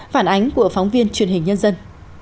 phản ánh của phóng viên truyền hình nhân dân